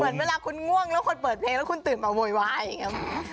เหมือนเวลาคุณง่วงแล้วคนเปิดเพลงแล้วคุณตื่นมาโวยวายอย่างนี้